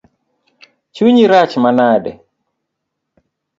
Chunyi rach manade?